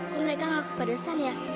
kok mereka gak kebadesan ya